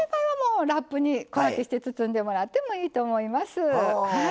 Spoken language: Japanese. ラップに包んでもらってもいいと思います。